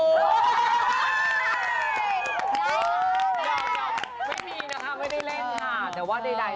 อย่าอย่าไม่มีนะคะไม่ได้เล่นค่ะ